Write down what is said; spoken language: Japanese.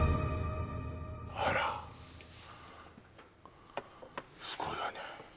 あらすごいわね